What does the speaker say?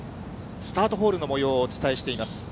スタートホールのもようをお伝えしています。